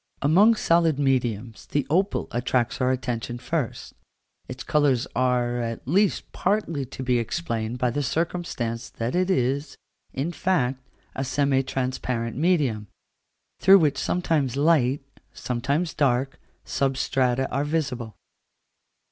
Among solid mediums the opal attracts our attention first: its colours are, at least, partly to be explained by the circumstance that it is, in fact, a semi transparent medium, through which sometimes light, sometimes dark, substrata are visible.